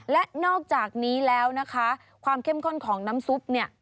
และนอกจากนี้แล้วนะคะความเข้มข้นของน้ำซุปเนี่ย